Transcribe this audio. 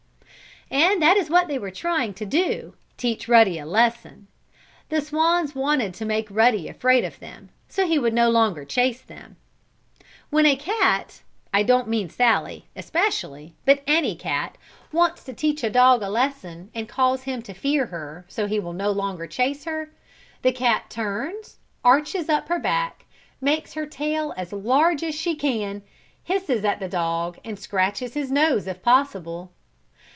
And that is what they were trying to do teach Ruddy a lesson. The swans wanted to make Ruddy afraid of them, so he would no longer chase them. When a cat, I don't mean Sallie, especially, but any cat, wants to teach a dog a lesson, and cause him to fear her, so he will no longer chase her, the cat turns, arches up her back, makes her tail as large as she can, hisses at the dog and scratches his nose if possible.